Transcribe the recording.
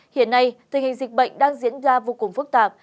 hiện nay tình hình dịch bệnh đang diễn ra vô cùng phức tạp